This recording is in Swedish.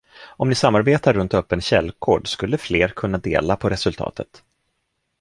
Om ni samarbetar runt öppen källkod skulle fler kunna dela på resultatet.